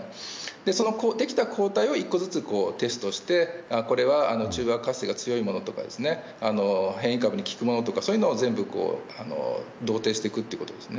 その出来た抗体を１個ずつテストして、これは中和活性が強いものですとか、変異株に効くものとか、そういうのを全部同定していくということですね。